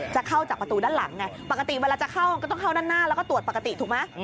จะเข้าจากประตูด้านหลังไงปกติเวลาจะเข้าก็ต้องเข้าด้านหน้าแล้วก็ตรวจปกติถูกไหม